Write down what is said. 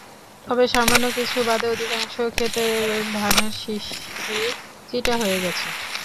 তবে সামান্য কিছু বাদে অধিকাংশ খেতের ধানের শীষই চিটা হয়ে গেছে।